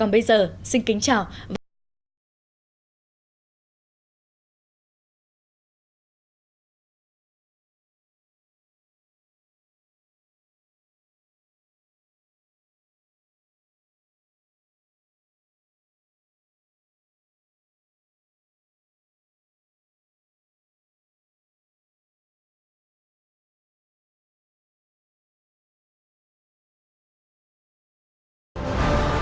bây giờ xin kính chào và hẹn gặp lại